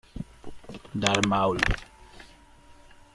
Darth Maul.